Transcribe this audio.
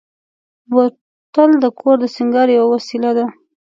بوتل د کور د سینګار یوه وسیله ده.